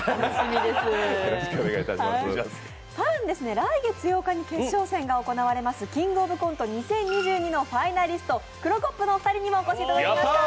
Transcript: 更に来月８日に決勝戦が行われます「キングオブコント２０２２」ファイナリストのクロコップのお二人にもお越しいただきました。